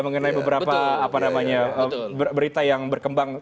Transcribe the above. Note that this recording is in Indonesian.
mengenai beberapa berita yang berkembang